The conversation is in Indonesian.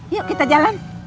yuk kita jalan